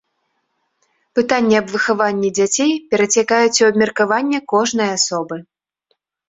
Пытанні аб выхаванні дзяцей перацякаюць у абмеркаванне кожнай асобы.